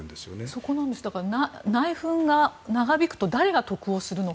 そこです、内紛が長引くと誰が得をするのか。